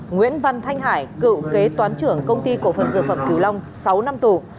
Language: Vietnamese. nguyễn văn thanh hải cựu kế toán trưởng công ty cổ phần dược phẩm cửu long sáu năm tù